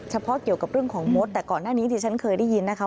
เฉพาะเกี่ยวกับเรื่องของมดแต่ก่อนหน้านี้ที่ฉันเคยได้ยินนะคะ